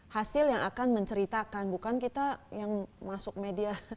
hasil yang akan menceritakan bukan kita yang masuk media